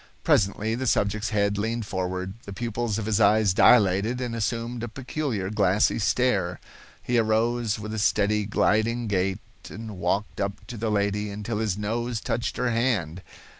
Presently the subject's head leaned forward, the pupils of his eyes dilated and assumed a peculiar glassy stare. He arose with a steady, gliding gait and walked up to the lady until his nose touched her hand.